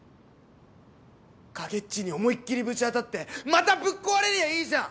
影っちに思いっ切りぶち当たってまたぶっ壊れりゃいいじゃん！